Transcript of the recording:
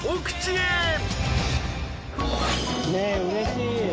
ねえうれしい。